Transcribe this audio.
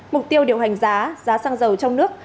mục tiêu điều hành giá giá xăng dầu trong nước